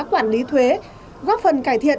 quản lý thuế góp phần cải thiện